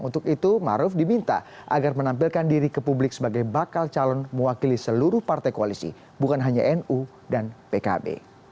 untuk itu maruf diminta agar menampilkan diri ke publik sebagai bakal calon mewakili seluruh partai koalisi bukan hanya nu dan pkb